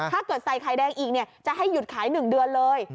ถ้าเกิดใส่ไข่แดงอีกจะให้หยุดขาย๑เดือนเลย